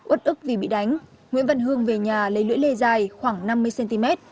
út ức vì bị đánh nguyễn văn hương về nhà lấy lưỡi lê dài khoảng năm mươi cm